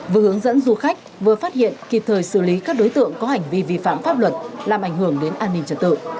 vừa hướng dẫn du khách vừa phát hiện kịp thời xử lý các đối tượng có hành vi vi phạm pháp luật làm ảnh hưởng đến an ninh trật tự